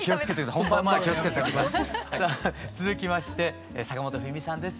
さあ続きまして坂本冬美さんです。